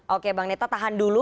oke bang neta tahan dulu